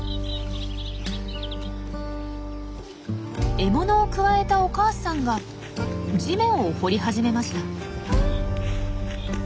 獲物をくわえたお母さんが地面を掘り始めました。